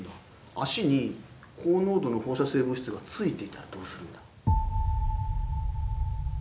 足に高濃度の放射性物質がついていたらどうするんだ。